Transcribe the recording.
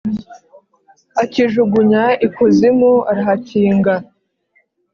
akijugunya ikuzimu arahakinga,